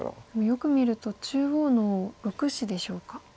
よく見ると中央の６子でしょうか。